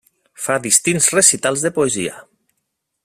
Fa distints recitals de poesia.